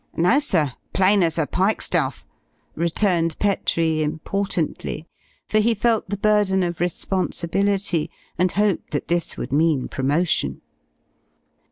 "No, sir plain as a pikestaff!" returned Petrie importantly, for he felt the burden of responsibility and hoped that this would mean promotion.